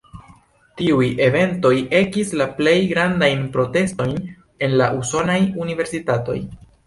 Tiuj eventoj ekis la plej grandajn protestojn en la usonaj universitatoj.